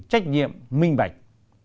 trách nhiệm minh bạch